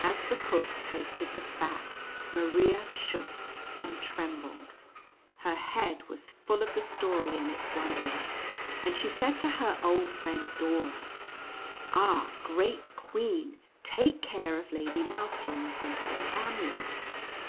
As the cook toasted the fat, Maria shook and trembled. Her head was full of the story and its wonders, and she said to her old friend Dora: "Ah, great Queen, take care of Lady Mouserings and her family!"